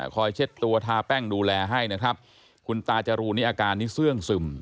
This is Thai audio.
เช็ดตัวทาแป้งดูแลให้นะครับคุณตาจรูนนี้อาการนี้เสื้องซึม